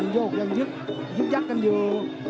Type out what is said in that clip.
โยกยังยึกยึกยักกันอยู่